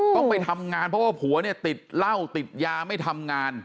ต้องไปทำงานเพราะว่าผัวเนี่ยติดเหล้าติดยาไม่ทำงาน